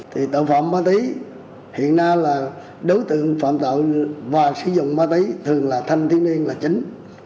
thì tội phạm ma túy hiện nay là đối tượng phạm tội và sử dụng ma túy thường là thanh thiếu niên là chính